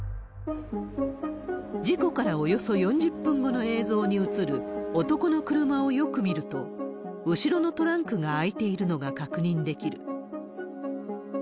事故からおよそ４０分後の映像に映る、男の車をよく見ると、後ろのトランクが開いているのが確認できる。